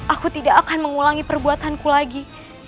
aku tidak akan mengulangi perbuatanku lagi